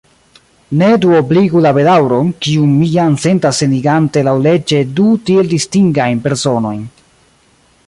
Ne duobligu la bedaŭron, kiun mi jam sentas senigante laŭleĝe du tiel distingajn personojn.